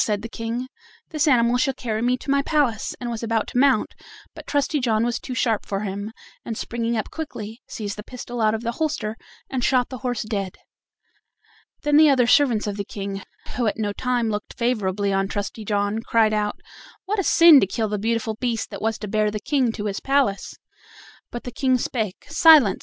said the King; "this animal shall carry me to my palace," and was about to mount, but Trusty John was too sharp for him, and, springing up quickly, seized the pistol out of the holster and shot the horse dead. Then the other servants of the King, who at no time looked favorably on Trusty John, cried out: "What a sin to kill the beautiful beast that was to bear the King to his palace!" But the King spake: "Silence!